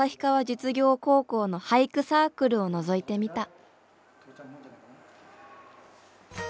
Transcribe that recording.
実業高校の俳句サークルをのぞいてみた。